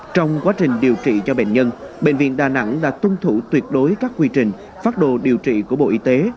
trong quá trình điều trị cho bệnh nhân bệnh viện đà nẵng đã tuân thủ tuyệt đối các quy trình phát đồ điều trị của bộ y tế